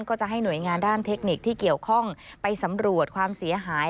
ก็จะให้หน่วยงานด้านเทคนิคที่เกี่ยวข้องไปสำรวจความเสียหาย